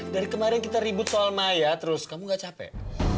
jadi kemarin kita ribut soal maya terus kamu gak capek